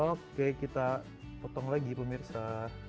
oke kita potong lagi pemirsa